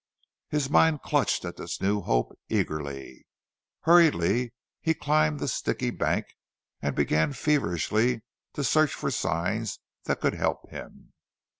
His mind clutched at this new hope, eagerly. Hurriedly he climbed the sticky bank and began feverishly to search for any sign that could help him.